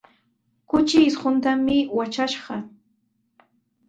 Kuchi isquntami watrashqa.